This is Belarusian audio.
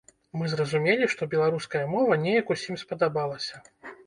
Мы зразумелі, што беларуская мова неяк усім спадабалася.